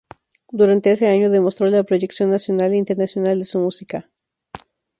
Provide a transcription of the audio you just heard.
Durante ese año demostró la proyección nacional e internacional de su música.